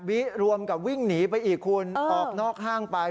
รวมกับวิ่งหนีไปอีกคุณออกนอกห้างไป